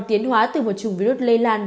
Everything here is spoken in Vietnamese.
tiến hóa từ một chùng virus lây lan